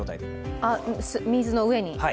水の上に。